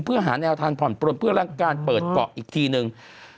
เพื่อหาแนวทางผ่อนปลนเพื่อร่างกายเปิดเกาะอีกทีนึง